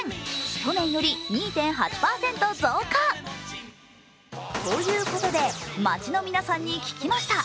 去年より２．８％増加。ということで街の皆さんに聞きました。